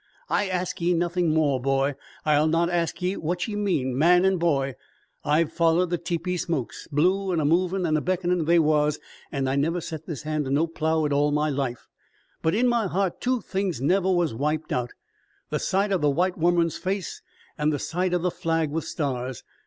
I ask ye nothin' more, boy. I'll not ask ye what ye mean. Man an' boy, I've follered the tepee smokes blue an' a movin' an' a beckonin' they was an' I never set this hand to no plow in all my life. But in my heart two things never was wiped out the sight o' the white womern's face an' the sight o' the flag with stars.